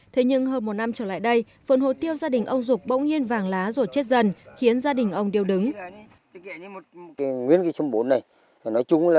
thế nhưng hơn một năm trở lại đây vườn hồ tiêu gia đình ông dục bỗng nhiên vàng lá rồi chết dần khiến gia đình ông điêu đứng